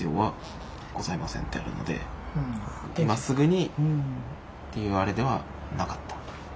今すぐにっていうあれではなかった。